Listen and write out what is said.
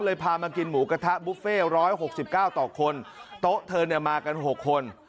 พามากินหมูกระทะบุฟเฟ่๑๖๙ต่อคนโต๊ะเธอเนี่ยมากัน๖คน